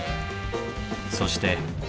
そして。